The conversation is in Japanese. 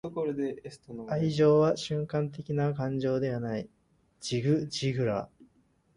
愛情は瞬間的な感情ではない.―ジグ・ジグラー―